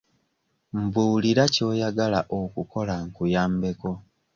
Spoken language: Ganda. Mbuulira ky'oyagala okukola nkuyambeko.